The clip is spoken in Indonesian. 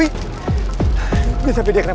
hei tolong teamwork ya